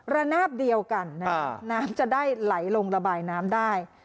ระนาบเดียวกันน้ำจะได้ไหลลงระบายน้ำได้